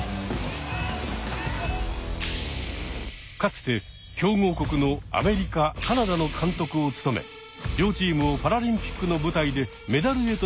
かつて強豪国のアメリカカナダの監督を務め両チームをパラリンピックの舞台でメダルへと導いた名将です。